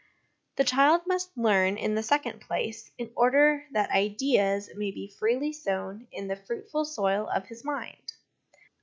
The child must learn, in the second place, in order that ideas may be freely sown in the fruitful soil of his mind.